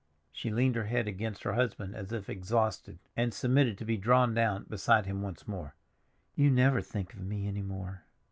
She leaned her head against her husband as if exhausted, and submitted to be drawn down beside him once more. "You never think of me any more."